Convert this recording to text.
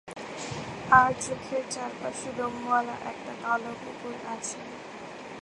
আর চোখের চারপাশে লোমওয়ালা একটা কালো কুকুর আছে।